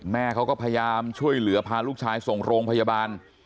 แม่เขาก็พยายามช่วยเหลือพาลูกชายส่งโรงพยาบาล